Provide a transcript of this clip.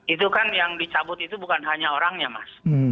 itu kan yang dicabut itu bukan hanya orangnya mas